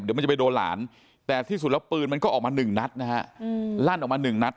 เดี๋ยวมันจะไปโดนหลานแต่ที่สุดแล้วปืนมันก็ออกมาหนึ่งนัดนะฮะลั่นออกมาหนึ่งนัด